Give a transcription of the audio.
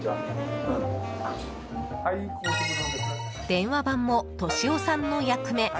電話番も俊雄さんの役目。